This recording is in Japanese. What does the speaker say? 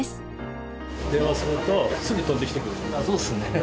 そうですね。